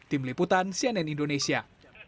tim liputan cnn indonesia